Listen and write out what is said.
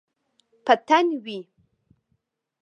په تن وی